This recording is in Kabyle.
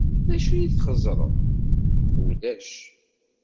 D acu txeẓẓreḍ? Ulac.